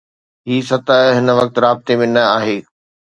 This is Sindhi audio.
هي سطح هن وقت رابطي ۾ نه آهي